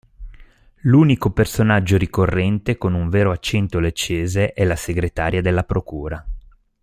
L'unico personaggio ricorrente con un vero accento leccese è la segretaria della procura.